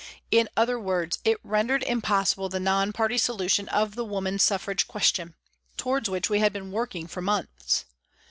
In other words, it rendered impossible the non party solution of the Woman Suffrage question, towards which we had been working for months.